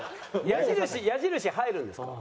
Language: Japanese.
矢印矢印入るんですか？